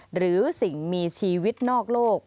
หรือสิ่งมีชีวิตนอกโลก